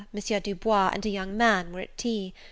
Du Bois, and a young man, were at tea.